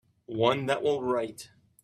One that will write.